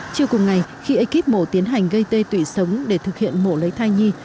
chiều cùng ngày khi ekip mổ tiến hành gây tê tụy sống để thực hiện mổ lấy thai nhi